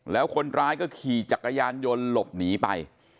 แล้วคนร้ายก็ขี่จักรยานยนต์หลบหนีไป